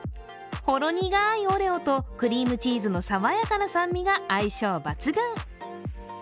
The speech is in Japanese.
ほろ苦いオレオとクリームチーズのさわやかな酸味が相性抜群。